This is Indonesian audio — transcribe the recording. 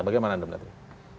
bagaimana anda melihatnya